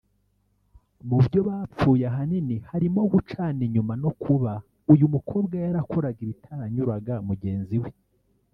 Mu byo bapfuye ahanini harimo gucana inyuma no kuba uyu mukobwa yarakoraga ibitaranyuraga mugenzi we